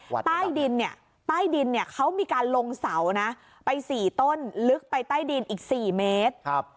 ป้ายดินป้ายดินเขามีการลงเสาไป๔ต้นลึกไปใต้ดินอีก๔เมตร